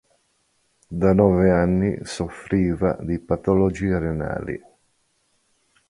Da nove anni soffriva di patologie renali.